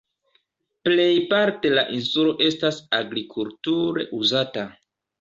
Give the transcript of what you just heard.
Plejparte la insulo estas agrikulture uzata.